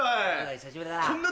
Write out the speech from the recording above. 久しぶりだな。